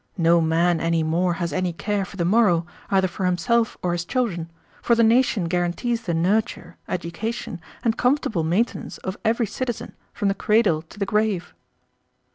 No man any more has any care for the morrow, either for himself or his children, for the nation guarantees the nurture, education, and comfortable maintenance of every citizen from the cradle to the grave."